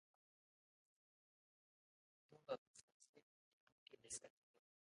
vinavyopitiwa na sauti za lugha ya Kiyakui wakati wa ukopaji hadi katika lugha ya Kihispaniola